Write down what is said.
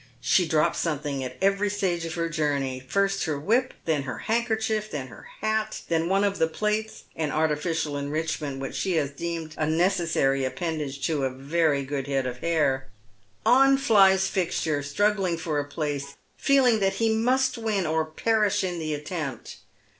Slia drops something at every stage ol" her journey. First her whip, then her handkerchief^ then her hat, then one of the plaits, an artilicial enrichment which she has deemed a necessarya ppendago to a very good head of hair. On flies Fixture, struggling for a place, feeling that he must win or perish in the attempt.